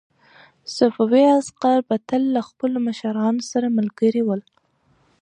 صفوي عسکر به تل له خپلو مشرانو سره ملګري ول.